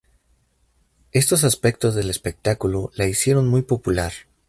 Estos aspectos del espectáculo la hicieron muy popular.